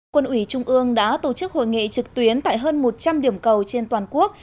quân ủy trung ương đã tổ chức hội nghị trực tuyến tại hơn một trăm linh điểm cầu trên toàn quốc